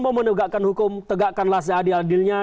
mau menegakkan hukum tegakkanlah seadil adilnya